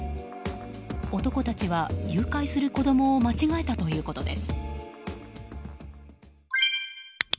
男たちは、誘拐する子供を間違えたということです。